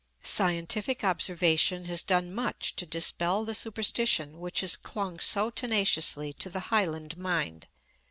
Scientific observation has done much to dispel the superstition which has clung so tenaciously to the Highland mind.